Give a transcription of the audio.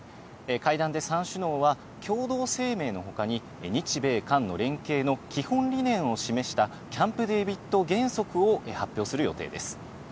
会談で３首脳は共同声明の他に、日米韓の連携の基本理念を示した、キャンプ・デービッド原則を発表する予定です。